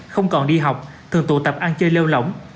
không còn đi học thường tụ tập ăn chơi lêu lỏng